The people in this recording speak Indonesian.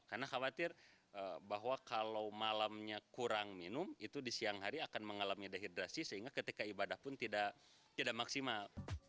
karena khawatir bahwa kalau malamnya kurang minum itu di siang hari akan mengalami dehidrasi sehingga ketika ibadah pun tidak maksimal